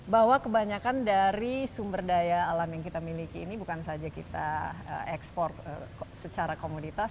bahwa kebanyakan dari sumber daya alam yang kita miliki ini bukan saja kita ekspor secara komoditas